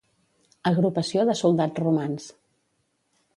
Agrupació de Soldats Romans.